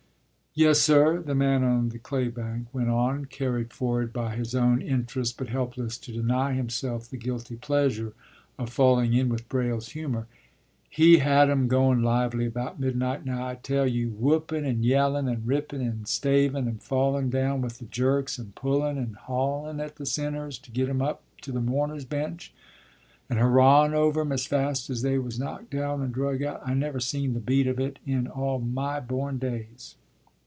“Yes, sir,” the man on the claybank went on, carried forward by his own interest, but helpless to deny himself the guilty pleasure of falling in with Braile's humor, “he had 'em goun' lively, about midnight, now I tell you: whoopun' and yellun', and rippun' and stavun', and fallun' down with the jerks, and pullun' and haulun' at the sinners, to git 'em up to the mourners' bench, and hurrahun' over 'em, as fast as they was knocked down and drug out. I never seen the beat of it in all my born days.